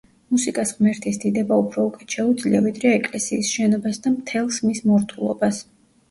მუსიკას ღმერთის დიდება უფრო უკეთ შეუძლია, ვიდრე ეკლესიის შენობას და მთელს მის მორთულობას.